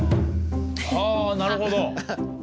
あなるほど。